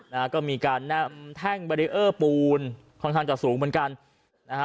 นะฮะก็มีการนำแท่งเบรีเออร์ปูนค่อนข้างจะสูงเหมือนกันนะฮะ